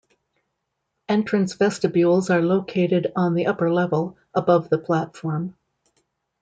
Entrance vestibules are located on the upper level, above the platform.